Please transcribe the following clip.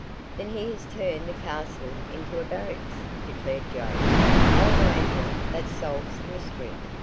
"Then he has turned the castle into a barracks," declared Joe. "I'll wager that solves the mystery.